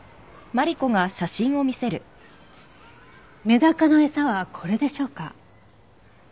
メダカの餌はこれでしょうか？